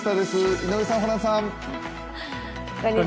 井上さん、ホランさん。